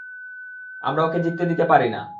আমরা ওকে জিততে দিতে পারি না।